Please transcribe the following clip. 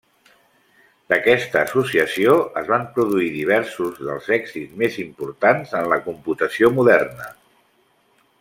D'aquesta associació es van produir diversos dels èxits més importants en la computació moderna.